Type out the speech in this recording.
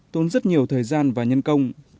tốn rất nhiều thời gian và nhân công